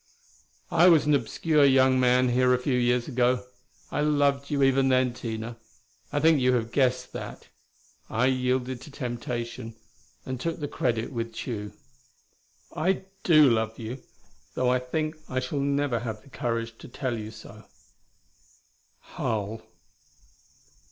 "I was an obscure young man here a few years ago. I loved you even then, Tina: I think you have guessed that. I yielded to the temptation and took the credit with Tugh. "I do love you, though I think I shall never have the courage to tell you so.